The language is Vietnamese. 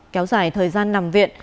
kéo dài thời gian nằm viện